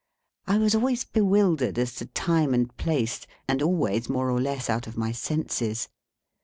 I was always bewildered as to time and place, and always more or less out of my senses.